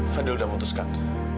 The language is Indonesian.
fadil udah mutuskan